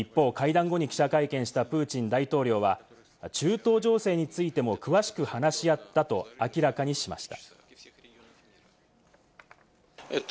一方、会談後に記者会見したプーチン大統領は中東情勢についても詳しく話し合ったと明らかにしました。